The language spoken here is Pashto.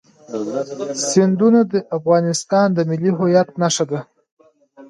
سیندونه د افغانستان د ملي هویت نښه ده.